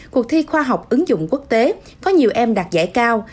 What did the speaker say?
cuộc thi khoa học ứng dụng quốc tế có nhiều em đạt giải cao